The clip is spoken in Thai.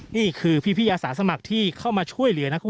นี่คือพี่อาสาสมัครที่เข้ามาช่วยเหลือนะคุณผู้ชม